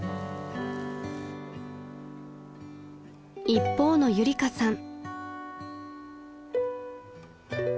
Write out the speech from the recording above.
［一方のゆりかさん］